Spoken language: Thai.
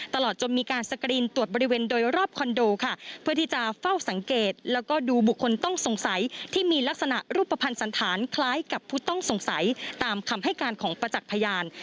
ตลอดจนมีการสกรีนตรวจบริเวณโดยรอบคอนโดค่ะเพื่อที่จะเฝ้าสังเกตแล้วก็ดูบุคคลต้องสงสัยที่มีลักษณะรูปภัณฑ์สันธารคล้ายกับผู้ต้องสงสัยตามคำให้การของประจักษ์พยาน